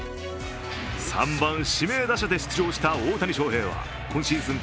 ３番・指名打者で出場した大谷翔平は今シーズン